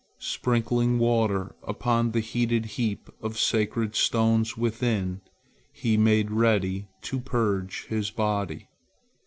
Sprinkling water upon the heated heap of sacred stones within, he made ready to purge his body.